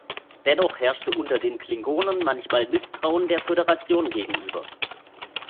Dennoch herrscht unter den Klingonen manchmal Misstrauen der Föderation gegenüber.